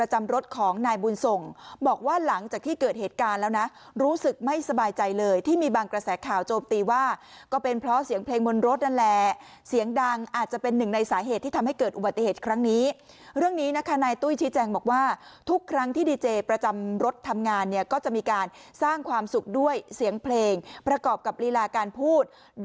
ของนายบุญส่งบอกว่าหลังจากที่เกิดเหตุการณ์แล้วนะรู้สึกไม่สบายใจเลยที่มีบางกระแสข่าวโจมตีว่าก็เป็นเพราะเสียงเพลงบนรถนั่นแหละเสียงดังอาจจะเป็นหนึ่งในสาเหตุที่ทำให้เกิดอุบัติเหตุครั้งนี้เรื่องนี้นะคะนายตุ้ยชี้แจงบอกว่าทุกครั้งที่ดีเจประจำรถทำงานเนี่ยก็จะมีการสร้างความสุขด้วยเสียงเพลงประกอบกับลีลาการพูด